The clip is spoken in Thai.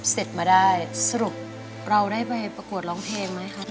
เสร็จมาได้สรุปเราได้ไปประกวดร้องเพลงไหมครับ